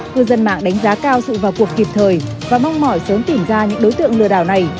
cư dân mạng đánh giá cao sự vào cuộc kịp thời và mong mỏi sớm tìm ra những đối tượng lừa đảo này